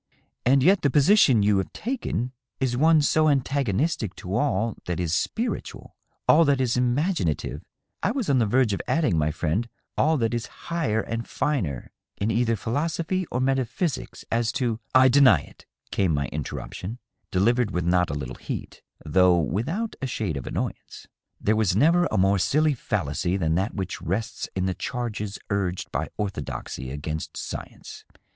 " And yet the position you have taken is one so antagonistic to all that is spiritual — all that is im aginative — I was on the verge of adding, my friend, all that is higher and finer in either philosophy or metaphysics, as to —"" I deny it," came my interruption, delivered with not a little heat, though without a shade of annoyance. " There was never a more silly fallacy than that which rests in the charges urged by orthodoxy against science.